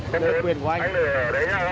đấy là quyền của anh